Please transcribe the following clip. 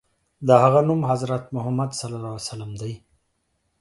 د هغه نوم حضرت محمد ص دی.